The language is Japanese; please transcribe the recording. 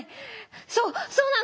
そうそうなの！